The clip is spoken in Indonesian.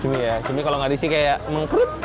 cumi ya cumi kalau gak disi kayak mengkrut